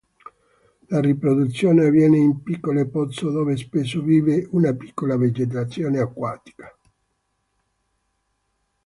La riproduzione avviene in piccole pozze dove spesso vive una piccola vegetazione acquatica.